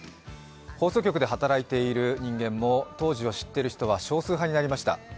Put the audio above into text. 放送局で働いている人間も当時を知っている人は少数派になりました。